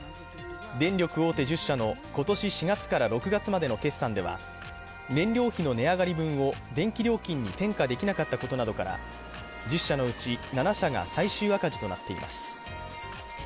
電力大手１０社の今年４月から６月までの決算では、燃料費の値上がり分を電気料金に転嫁できなかったことなどから１０社のうち７社が最終赤字となっています。